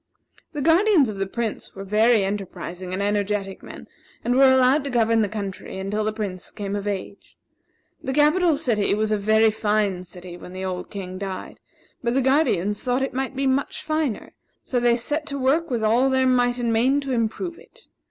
The guardians of the Prince were very enterprising and energetic men, and were allowed to govern the country until the Prince came of age. The capital city was a very fine city when the old king died; but the guardians thought it might be much finer, so they set to work with all their might and main to improve it.